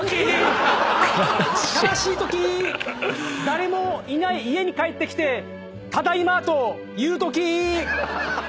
誰もいない家に帰ってきてただいまと言うとき！